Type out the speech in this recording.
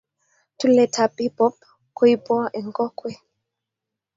tulet ap hip hop kuipwa eng kokwet